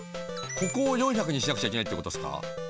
ここを４００にしなくちゃいけないってことすか？